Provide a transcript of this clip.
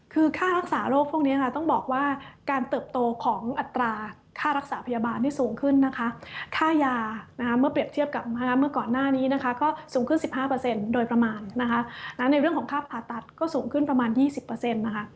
คือค่ารักษาโรคพวกนี้ค่ะต้องบอกว่าการเติบโตของอัตราค่ารักษาพยาบาลที่สูงขึ้นนะคะค่ายานะคะเมื่อเปรียบเทียบกับเมื่อก่อนหน้านี้นะคะก็สูงขึ้น๑๕โดยประมาณนะคะในเรื่องของค่าผ่าตัดก็สูงขึ้นประมาณ๒๐นะคะ